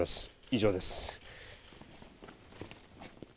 以上です。